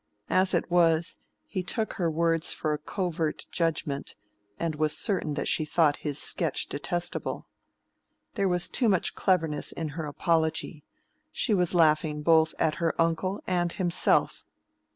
As it was, he took her words for a covert judgment, and was certain that she thought his sketch detestable. There was too much cleverness in her apology: she was laughing both at her uncle and himself.